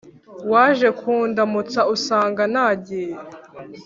waje kundamutsa usanga nagiye